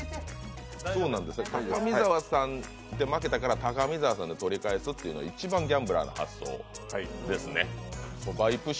高見沢さんで負けたから高見沢さんでというのは一番ギャンブラーの発想ですね。